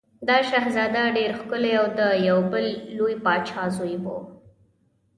دا شهزاده ډېر ښکلی او د یو بل لوی پاچا زوی و.